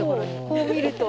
こう見ると。